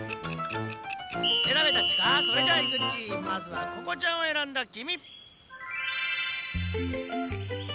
まずはここちゃんを選んだきみ！